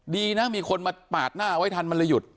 ดีนะมีคนมาปาดหน้าไว้ทันมันเลยหยุด